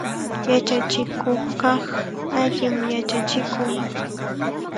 Yachachikuqqa allim yachachikun.